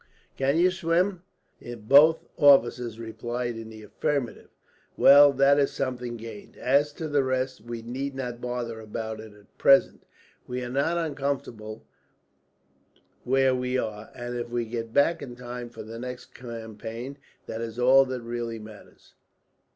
"Can you swim?" Both officers replied in the affirmative. "Well, that is something gained. As to the rest, we need not bother about it, at present. We are not uncomfortable where we are, and if we get back in time for the next campaign, that is all that really matters."